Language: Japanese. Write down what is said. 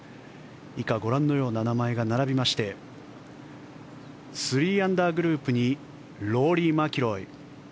以下、ご覧のような名前が並びまして３アンダーグループにローリー・マキロイ。